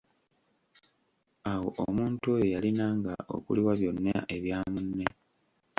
Awo omuntu oyo yalinanga okuliwa byonna ebya munne.